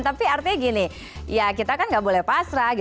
tapi artinya gini ya kita kan nggak boleh pasrah